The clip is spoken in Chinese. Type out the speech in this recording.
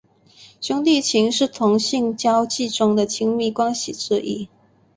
兄弟情是同性交际中的亲密关系之一。